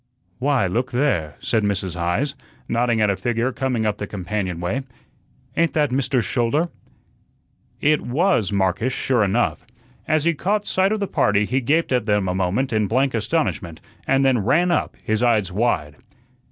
"Why, look there," said Mrs. Heise, nodding at a figure coming up the companion way. "Ain't that Mr. Schouler?" It was Marcus, sure enough. As he caught sight of the party he gaped at them a moment in blank astonishment, and then ran up, his eyes wide.